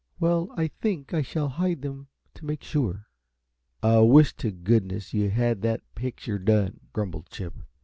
Well, I think I shall hide them to make sure." "I wish to goodness you had that picture done," grumbled Chip.